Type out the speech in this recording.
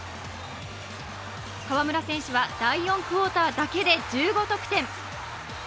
河村選手は第４クオーターだけで１５得点。